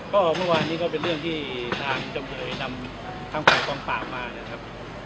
ก็เมื่อวานนี้ก็เป็นเรื่องที่ทางจำเลยนำทางฝ่ายกองปราบมานะครับ